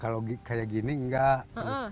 kalau kayak gini enggak